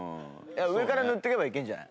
上から塗ってけばいけるんじゃない？